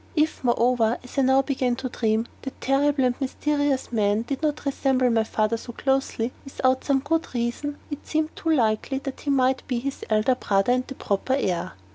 If, moreover, as I now began to dream, that terrible and mysterious man did not resemble my father so closely without some good reason, it seemed too likely that he might be his elder brother and the proper heir.